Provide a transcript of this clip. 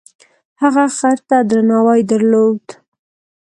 هغه خر ته درناوی درلود.